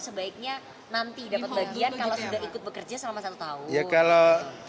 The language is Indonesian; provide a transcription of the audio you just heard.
sebaiknya nanti dapat bagian kalau sudah ikut bekerja selama satu tahun